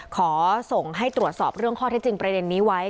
ขอส่งให้ตรวจสอบเรื่องข้อเท็จจริงประเด็นนี้ไว้